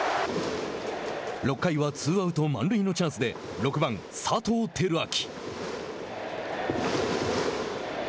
６回はツーアウト、満塁のチャンスで６番佐藤輝明。